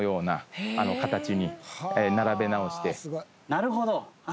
なるほど！